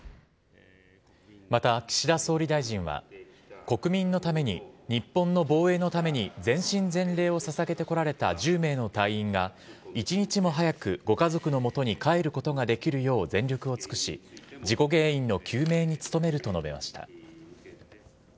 また岸田総理大臣は、国民のために日本の防衛のために全身全霊をささげてこられた１０名の隊員が一日も早くご家族のもとに帰ることができるよう全力を尽くし、事故原因の究明に努めると述べました。